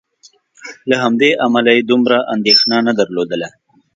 له همدې امله یې په اړه دومره اندېښنه نه درلودله.